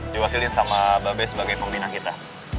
diwakili oleh babe sebagai pembina kita